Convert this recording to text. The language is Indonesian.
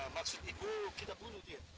maksud ibu kita bunuh dia